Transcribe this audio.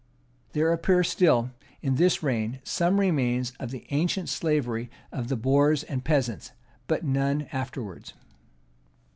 There appear still in this reign some remains of the ancient slavery of the boors and peasants,[*] but none afterwards.